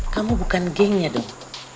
kamu bukan gengnya dong